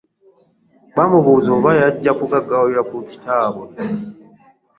Baamubuuza oba yajja kugaggawalira ku kitaabwe.